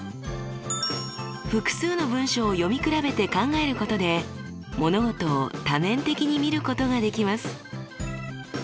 複数の文章を読み比べて考えることで物事を多面的に見ることができます。